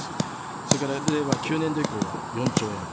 それから令和９年度以降は４兆円と。